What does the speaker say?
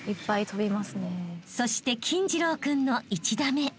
［そして金次郎君の１打目］